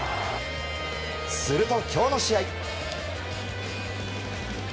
すると、今日の試合。